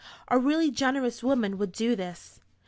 A really generous woman would do this."